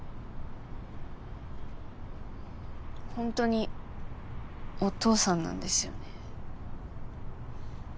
ほんとにお父さんなんですよね？